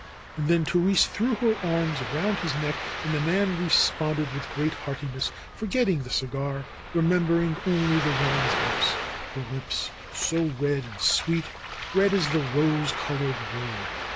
And then Therese threw her arms around his neck and the man responded with great heartiness, forgetting the cigar, remembering only the woman's lips — her lips so red and sweet, red as the rose colored world.